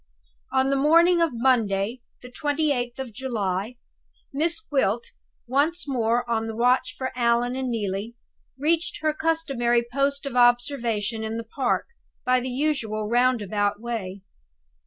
On the morning of Monday, the 28th of July, Miss Gwilt once more on the watch for Allan and Neelie reached her customary post of observation in the park, by the usual roundabout way.